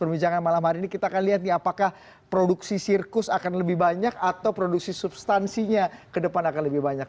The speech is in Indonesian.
perbincangan malam hari ini kita akan lihat nih apakah produksi sirkus akan lebih banyak atau produksi substansinya ke depan akan lebih banyak